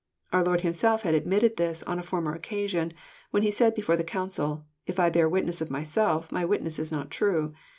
Our Lord Himself had admitted this on a former occa sion, when he said before the council,—" If I bear witness of myself my witness is not true."